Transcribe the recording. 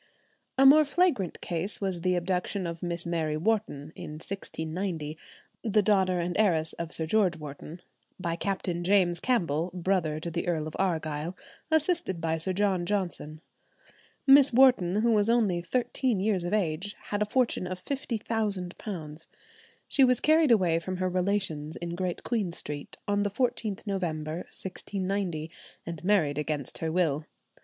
A more flagrant case was the abduction of Miss Mary Wharton in 1690, the daughter and heiress of Sir George Wharton, by Captain James Campbell, brother to the Earl of Argyll, assisted by Sir John Johnson. Miss Wharton, who was only thirteen years of age, had a fortune of £50,000. She was carried away from her relations in Great Queen Street, on the 14th November, 1690, and married against her will.